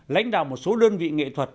lãnh đạo một số đơn vị nghệ thuật